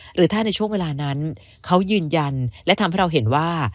หรือถ้าในช่วงเวลานั้นเขายืนยันและทำให้เราเห็นว่า